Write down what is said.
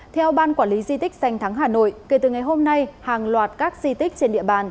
theo ban quản lý di tích danh thắng hà nội kể từ ngày hôm nay hàng loạt các di tích trên địa bàn